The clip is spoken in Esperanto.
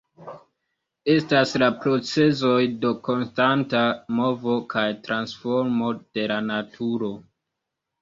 Estas la procezoj de konstanta movo kaj transformo de la naturo.